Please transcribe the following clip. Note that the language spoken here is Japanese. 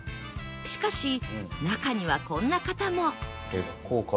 しかし中にはこんな方も